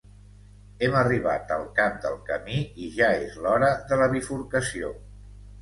Hem arribat al cap del camí i ja és l'hora de la bifurcació.